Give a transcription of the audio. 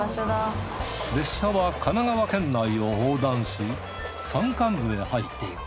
列車は神奈川県内を横断し山間部へ入っていく